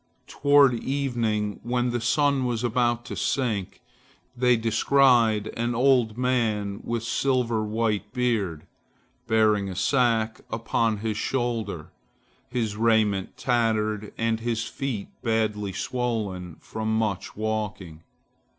Toward evening, when the sun was about to sink, they descried an old man with silver white beard, bearing a sack upon his shoulder, his raiment tattered, and his feet badly swollen from much walking.